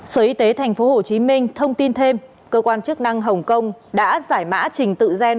sở y tế tp hcm thông tin thêm cơ quan chức năng hồng kông đã giải mã trình tự gen